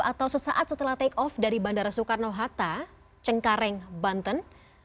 atau sesaat setelah take off dari bandara soekarno hatta cengkareng banten